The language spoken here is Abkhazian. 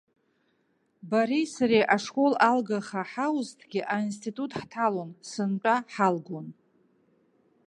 Бареи сареи ашкол алгаха ҳаузҭгьы, аинститут ҳҭалон, сынтәа ҳалгон.